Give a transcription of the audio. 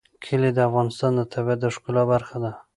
کلي د افغانستان د طبیعت د ښکلا برخه ده.